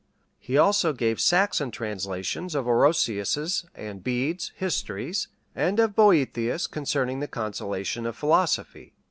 He also gave Saxon translations of Orosius's and Bede's histories; and of Boethius concerning the consolation of philosophy.